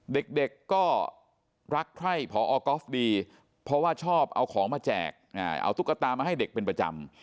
เด็กก็รักใคร่พอก๊อฟดีเพราะว่าชอบเอาของมาแจกเอาตุ๊กตามาให้เด็กเป็นประจำ